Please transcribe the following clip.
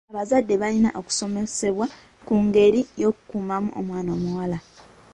Abazadde balina okusomesebwa ku ngeri y'okukuumamu omwana ow'obuwala.